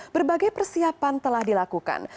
berbagai persiapan telah dilakukan